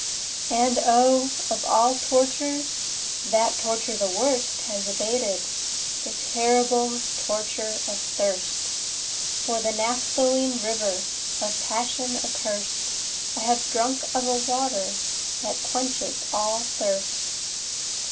30 And O! of all tortures That torture the worst Has abated—the terrible Torture of thirst For the naphthaline river 35 Of Passion accurst— I have drunk of a water That quenches all thirst.